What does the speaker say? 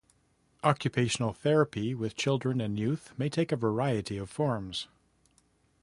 Occupational therapy with children and youth may take a variety of forms.